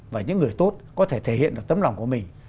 và những người tốt có thể thể hiện được tấm lòng của mình